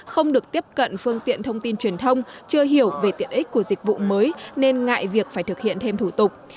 không được tiếp cận phương tiện thông tin truyền thông chưa hiểu về tiện ích của dịch vụ mới nên ngại việc phải thực hiện thêm thủ tục